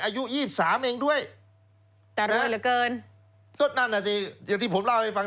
อายุยี่สิบสามเองด้วยแต่รวยเหลือเกินก็นั่นน่ะสิอย่างที่ผมเล่าให้ฟัง